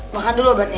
makan dulu obatnya ya